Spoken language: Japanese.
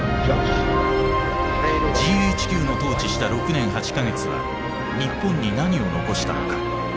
ＧＨＱの統治した６年８か月は日本に何を残したのか。